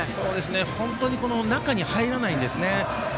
本当に中に入らないんですね。